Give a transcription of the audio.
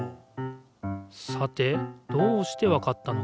さてどうしてわかったのか？